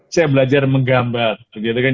saya belajar menggambar begitu kan